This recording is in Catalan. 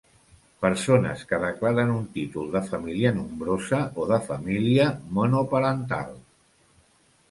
Persones que declaren un títol de família nombrosa o de família monoparental.